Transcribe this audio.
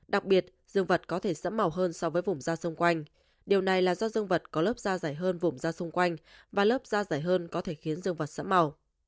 đặc biệt dương vật có thể sẫm màu hơn so với vùng da xung quanh điều này là do dương vật có lớp da dài hơn vùng da xung quanh và lớp da dài hơn có thể khiến dương vật sẫm màu